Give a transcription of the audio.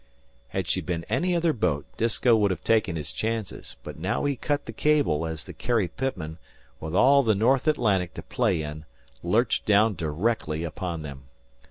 Had she been any other boat Disko would have taken his chances, but now he cut the cable as the Carrie Pitman, with all the North Atlantic to play in, lurched down directly upon them.